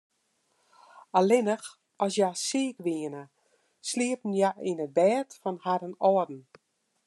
Allinnich as hja siik wiene, sliepten hja yn it bêd fan harren âlden.